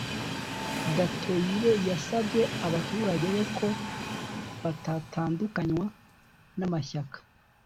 gatoyire yasabye abaturage be ko batatandukanywa n amashyaka